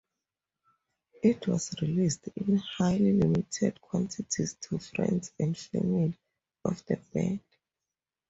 It was released in highly limited quantities to friends and family of the band.